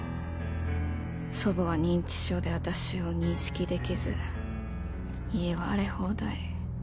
祖母は認知症で私を認識できず家は荒れ放題。